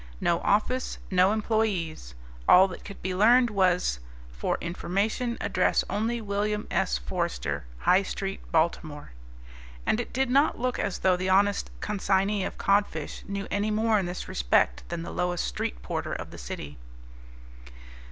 No office, no employees. All that could be learned was, "For information address only William S. Forster, High Street, Baltimore." And it did not look as though the honest consignee of codfish knew any more in this respect than the lowest street porter of the city.